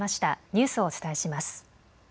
ニュースお伝えします。